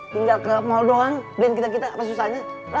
tinggal ke mall doang brand kita kita apa susahnya